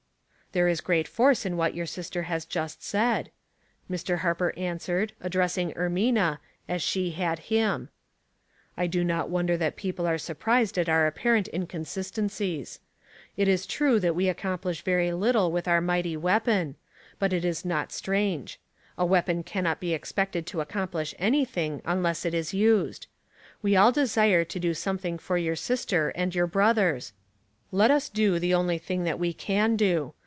" There is great force in what your sister has just said," Mr. Harper answered, address ing Ermina, as she had liim. "I do not won der that people are surprised at our apparent inconsistencies. It is true that we accomplish very little with our mighty weapon ; but it is not strange. A weapon cannot be expected to accomplish anything unless it is used. We all desire to do something for your sister and your brothers. Let us do the only thing that we can do.